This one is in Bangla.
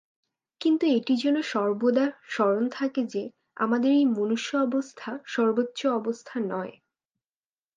কিন্তু এটি যেন সর্বদা স্মরণ থাকে যে, আমাদের এই মনুষ্য-অবস্থা সর্বোচ্চ অবস্থা নয়।